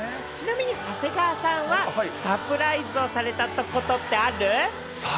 ちなみに長谷川さんはサプライズをされたことってある？